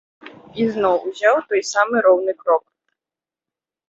Ізноў узяў той самы роўны крок.